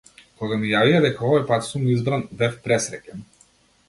Кога ми јавија дека овој пат сум избран, бев пресреќен.